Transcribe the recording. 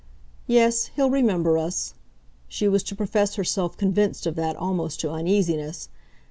Yes, he'll remember us" she was to profess herself convinced of that almost to uneasiness.